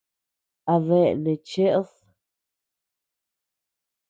¿Adeea neʼe cheed?.